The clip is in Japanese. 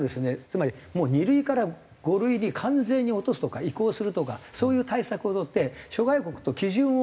つまり２類から５類に完全に落とすとか移行するとかそういう対策をとって。